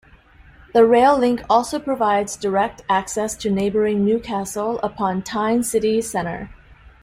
The rail link also provides direct access to neighbouring Newcastle upon Tyne city centre.